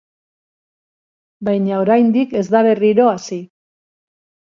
Baina oraindik ez da berriro hasi.